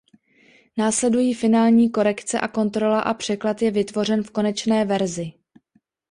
Následují finální korekce a kontrola a překlad je vytvořen v konečné verzi.